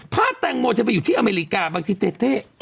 ถ้าแตงโมจะไปอยู่ที่อเมริกาบางทีเต้